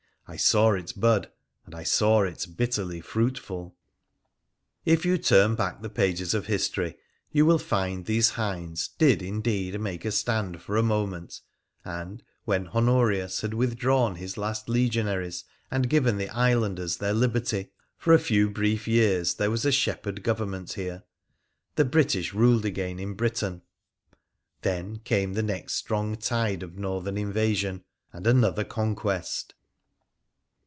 I saw it bud, and I saw it bitterly fruitful ! If you turn back the pages of history you will find these hinds did indeed make a stand for a moment, and, when Honorius had withdrawn his last legionaries and given the islanders their liberty, for a few brief years there was a shep herd government here — the British ruled again in Britain. e2 & WONDERFUL ADVENTURES OF Then came the next strong tide of Northern invasion, and another conquest.